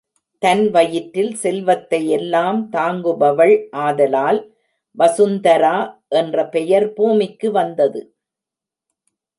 தன் வயிற்றில் செல்வத்தை எல்லாம் தாங்குபவள் ஆதலால் வசுந்தரா என்ற பெயர் பூமிக்கு வந்தது.